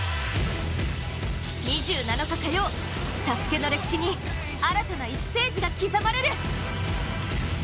２７日火曜、ＳＡＳＵＫＥの歴史に新たな１ページが刻まれる。